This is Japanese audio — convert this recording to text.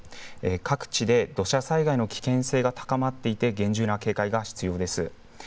各地で土砂災害の危険性が高まっていて厳重な警戒が必要です。